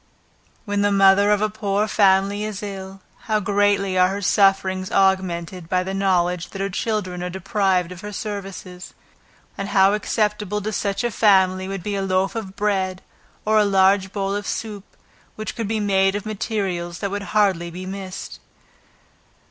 When the mother of a poor family is ill, how greatly are her sufferings augmented by the knowledge that her children are deprived of her services; and how acceptable to such a family would be a loaf of bread, or a large bowl of soup, which could be made of materials that would hardly be missed.